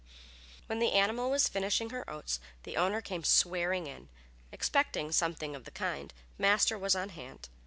When the animal was finishing her oats the owner came swearing in. Expecting something of the kind, Master was on hand.